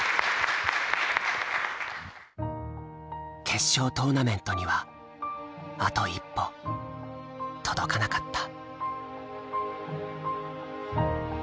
決勝トーナメントにはあと一歩届かなかった。